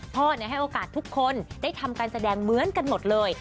ให้โอกาสทุกคนได้ทำการแสดงเหมือนกันหมดเลย